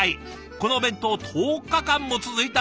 このお弁当１０日間も続いたそうです。